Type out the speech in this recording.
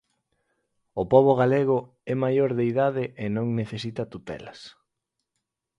O pobo galego é maior de idade e non necesita tutelas.